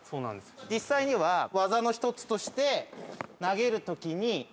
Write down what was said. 実際には技の１つとして投げる時に回転を。